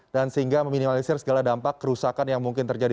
dan sehingga meminimalisir segala dampak kerusakan yang mungkin terjadi